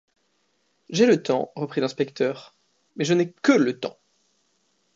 J’ai le temps, reprit l’inspecteur, mais je n’ai que le temps.